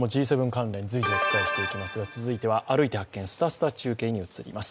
関連随時お伝えしていきますが続いては「歩いて発見！すたすた中継」に移ります。